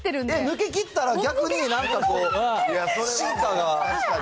抜けきったら、逆になんかこう。